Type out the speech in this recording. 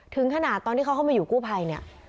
ถึงขนาดตอนที่เขาเข้ามาอยู่กู้ภัยเนี่ย